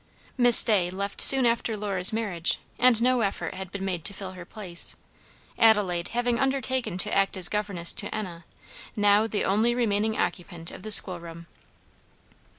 Miss Day left soon after Lora's marriage and no effort had been made to fill her place, Adelaide having undertaken to act as governess to Enna, now the only remaining occupant of the school room.